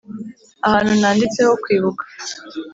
ahantu nanditseho "kwibuka."